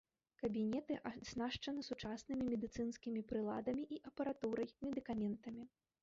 Кабінеты аснашчаны сучаснымі медыцынскімі прыладамі і апаратурай, медыкаментамі.